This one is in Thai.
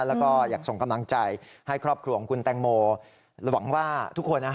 แล้วก็อยากส่งกำลังใจให้ครอบครัวของคุณแตงโมหวังว่าทุกคน